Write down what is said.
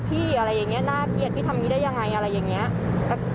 แต่เขาก็ไม่ยอม